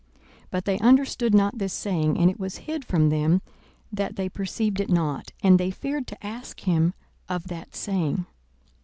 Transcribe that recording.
42:009:045 But they understood not this saying, and it was hid from them, that they perceived it not: and they feared to ask him of that saying.